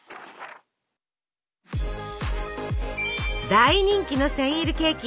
大人気のセンイルケーキ。